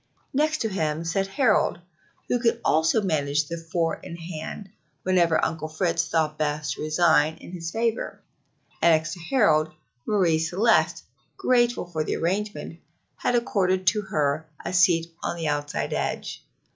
Next to him sat Harold, who could also manage the four in hand whenever Uncle Fritz thought best to resign in his favor, and next to Harold, Marie Celeste, grateful for the arrangement that accorded to her a seat on the outside edge.